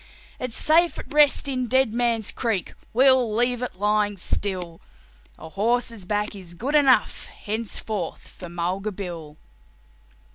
It's safe at rest in Dead Man's Creek we'll leave it lying still; A horse's back is good enough henceforth for Mulga Bill."